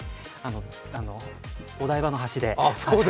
お台場の橋で。